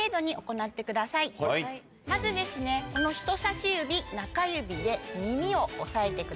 まず人さし指中指で耳を押さえてください。